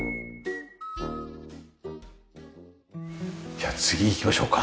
じゃあ次行きましょうか。